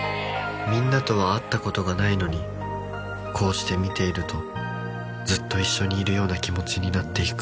みんなとは会ったことがないのにこうして見ているとずっと一緒にいるような気持ちになっていく